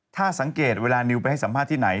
ถ้าสังเกตเวลานิวไปให้สัมภาษณ์ที่ไหน